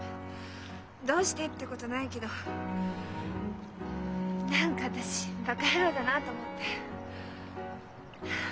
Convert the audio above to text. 「どうして」ってことないけど何か私バカ野郎だなと思って。